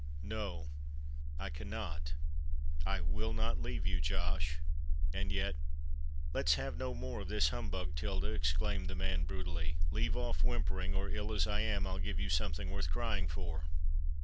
"No—I cannot—I will not leave you, Josh: and yet——" "Let's have no more of this humbug, Tilda!" exclaimed the man, brutally. "Leave off whimpering—or, ill as I am, I'll give you something worth crying for.